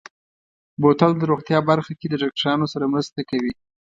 بوتل د روغتیا برخه کې د ډاکترانو سره مرسته کوي.